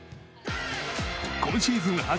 今シーズン